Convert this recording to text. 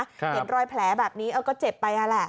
ครับเห็นรอยแผลแบบนี้เอ้าก็เจ็บไปอ่ะแหละอืม